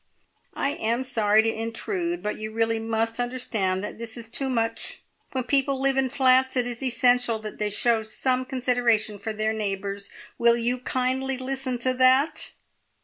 "I am sorry to intrude, but you must really understand that this is too much! When people live in flats, it is essential that they show some consideration for their neighbours. Will you kindly listen to that?"